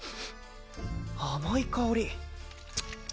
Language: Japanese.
甘い香り。